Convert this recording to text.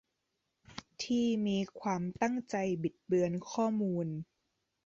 ที่มีความตั้งใจบิดเบือนข้อมูล